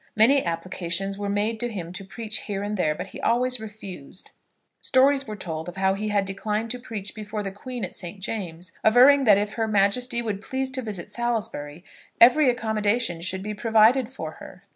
Many applications were made to him to preach here and there, but he always refused. Stories were told of how he had declined to preach before the Queen at St. James's, averring that if Her Majesty would please to visit Salisbury, every accommodation should be provided for her.